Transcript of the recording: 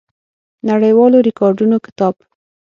نړیوالو ریکارډونو کتاب